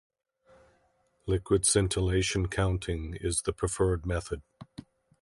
Liquid scintillation counting is the preferred method.